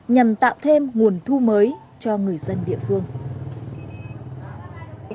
nhằm tạo thêm nguồn thu mới cho người dân địa phương